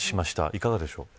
いかがでしょう。